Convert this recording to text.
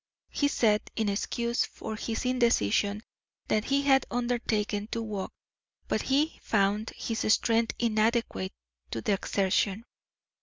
He said, in excuse for his indecision, that he had undertaken to walk, but had found his strength inadequate to the exertion.